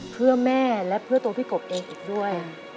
เพื่อแม่และเพื่อตัวพี่กบเองอีกด้วย